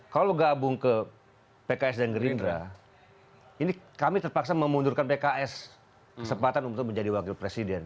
kalau gabung ke pks dan gerindra ini kami terpaksa memundurkan pks kesempatan untuk menjadi wakil presiden